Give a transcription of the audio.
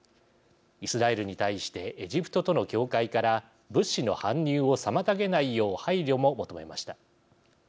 イスラエルに対してエジプトとの境界から物資の搬入を妨げないよう配慮も求めました。